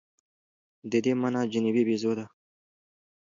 د دې مانا جنوبي بیزو ده.